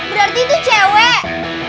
berarti itu cewek